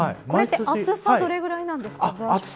厚さはどれぐらいなんですか。